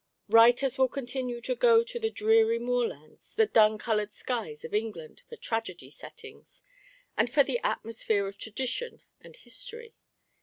Writers will continue to go to the dreary moorlands, the dun coloured skies of England for tragedy settings, and for the atmosphere of tradition and history.